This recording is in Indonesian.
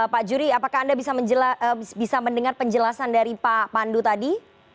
pak juri apakah anda bisa mendengar penjelasan dari pak pandu tadi